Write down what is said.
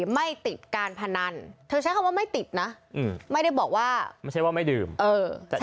ไม่ติดการพนันเธอใช้คำว่าไม่ติดนะไม่ได้บอกว่าไม่ใช่ว่าไม่ดื่มเออแต่